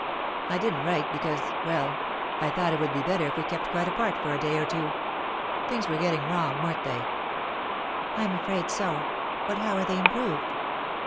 I didn't write because well, I thought it would be better if we kept quite apart for a day or two. Things were getting wrong, weren't they?" "I'm afraid so. But how are they improved?"